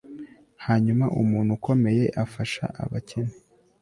Hanyuma umuntu ukomeye afasha abakene